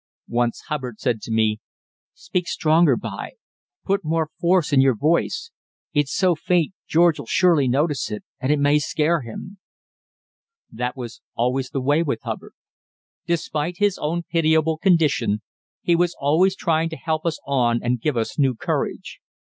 Once Hubbard said to me: "Speak stronger, b'y. Put more force in your voice. It's so faint George'll surely notice it, and it may scare him." That was always the way with Hubbard. Despite his own pitiable condition, he was always trying to help us on and give us new courage.